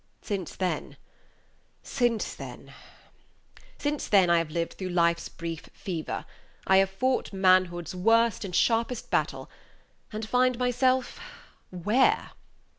Since then since then since then I have lived through life's brief fever; I have fought manhood's worst and sharpest battle, and find myself where?